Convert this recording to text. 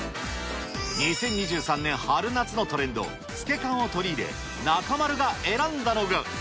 ２０２３年春夏のトレンド、透け感を取り入れ、中丸が選んだのが。